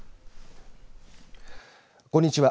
こんにちは。